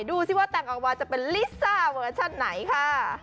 ดูสิว่าแต่งออกมาจะเป็นลิซ่าเวอร์ชั่นไหนค่ะ